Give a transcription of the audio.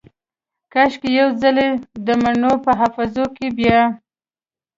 کاشکي یو ځلې دمڼو په حافظو کې بیا